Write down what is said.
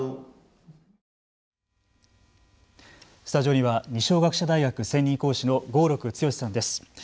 スタジオには二松学舎大学専任講師の合六強さんです。